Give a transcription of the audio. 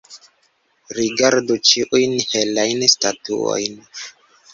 Rigardu ĉiujn belajn statuojn.